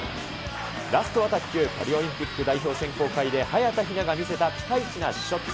ラストは卓球、パリオリンピック代表選考会で早田ひなが見せたピカイチなショット。